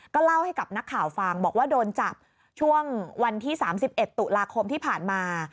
เล่าให้กับนักข่าวฟังบอกว่าโดนจับช่วงวันที่๓๑ตุลาคมที่ผ่านมา